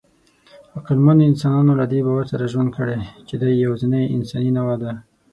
عقلمنو انسانانو له دې باور سره ژوند کړی، چې دی یواځینۍ انساني نوعه ده.